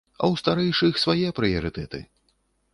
А ў старэйшых свае прыярытэты.